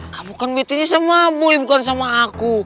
kamu kan betenya sama boy bukan sama aku